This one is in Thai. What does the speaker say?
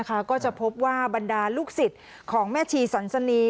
ก็จะพบว่าบรรดาลูกศิษย์ของแม่ชีสันสนี